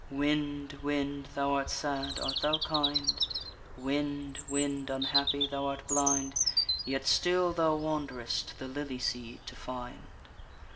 _Wind, wind! thou art sad, art thou kind? Wind, wind, unhappy! thou art blind, Yet still thou wanderest the lily seed to find.